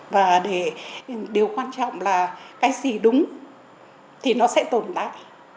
và để điều quan trọng là cái gì đúng thì nó sẽ tồn tại